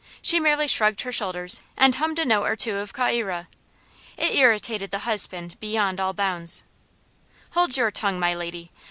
She merely shrugged her shoulders and hummed a note or two of "Ca ira." It irritated the husband beyond all bounds. "Hold your tongue, my lady.